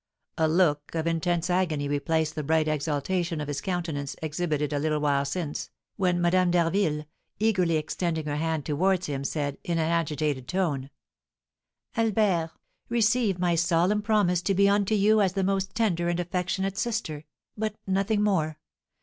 A look of intense agony replaced the bright exultation of his countenance exhibited a little while since, when Madame d'Harville, eagerly extending her hand towards him, said, in an agitated tone: "Albert, receive my solemn promise to be unto you as the most tender and affectionate sister, but nothing more.